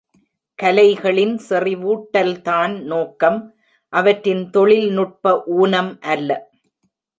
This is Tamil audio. கலைகளின் செறிவூட்டல் தான் நோக்கம், அவற்றின் தொழில்நுட்ப ஊனம் அல்ல.